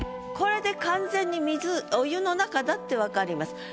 これで完全にお湯の中だって分かります。